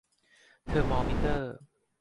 เทอร์มอมิเตอร์